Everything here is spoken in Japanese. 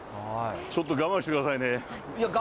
ちょっと我慢してくださいね。